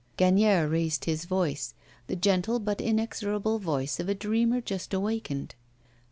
Gagnière raised his voice, the gentle but inexorable voice of a dreamer just awakened.